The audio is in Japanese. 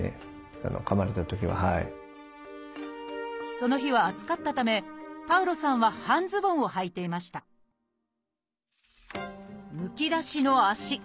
その日は暑かったためパウロさんは半ズボンをはいていましたむき出しの脚。